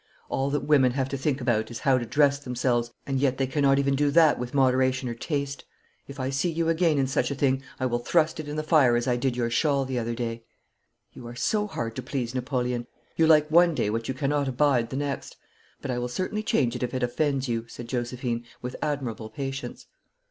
'All that women have to think about is how to dress themselves, and yet they cannot even do that with moderation or taste. If I see you again in such a thing I will thrust it in the fire as I did your shawl the other day.' 'You are so hard to please, Napoleon. You like one day what you cannot abide the next. But I will certainly change it if it offends you,' said Josephine, with admirable patience.